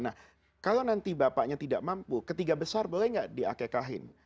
nah kalau nanti bapaknya tidak mampu ketiga besar boleh enggak di akikahin